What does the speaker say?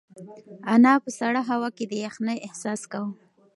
انا په سړه هوا کې د یخنۍ احساس کاوه.